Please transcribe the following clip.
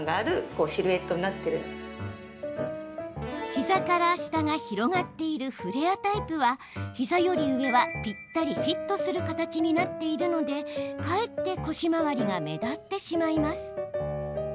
膝から下が広がっているフレアタイプは膝より上は、ぴったりフィットする形になっているのでかえって腰回りが目立ってしまいます。